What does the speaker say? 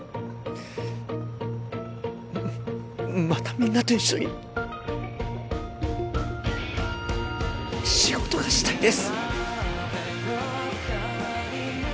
またみんなと一緒に仕事がしたいです